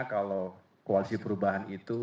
kalau koalisi perubahan itu